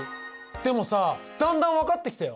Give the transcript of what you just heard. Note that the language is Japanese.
でもさだんだん分かってきたよ。